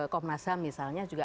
komnas ham misalnya juga